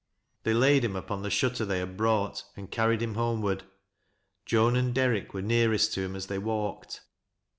They laid him upon the shutter they had brought, and carried him homeward. Joan and Derrick were nearest to him as they walked.